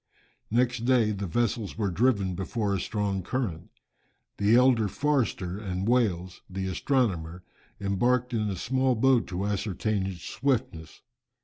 Next day the vessels were driven before a strong current. The elder Forster and Wales, the astronomer, embarked in a small boat to ascertain its swiftness.